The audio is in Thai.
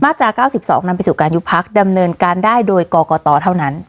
มาตราเก้าสิบสองนำไปสู่การยุคพรรคดำเนินการได้โดยกรกตอเท่านั้น